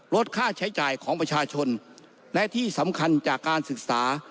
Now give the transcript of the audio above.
ลดค่าใช้จ่ายของประชาชนและที่สำคัญจากการศึกษา